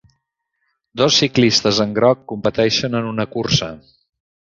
Dos ciclistes en groc competeixen en una cursa